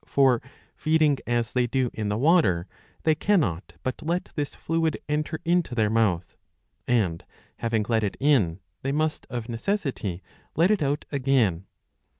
^^ For, feeding as they do in the water, they cannot but let this fluid enter into their mouth, and, having let it in, they must of necessity let it out again.